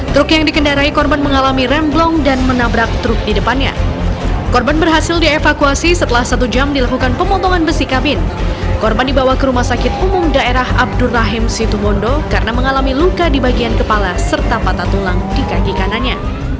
tertapata tulang di kaki kanannya